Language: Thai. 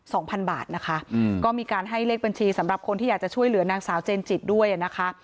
สองพันบาทนะคะอืมก็มีการให้เลขบัญชีสำหรับคนที่อยากจะช่วยเหลือนางสาวเจนจิตด้วยอ่ะนะคะ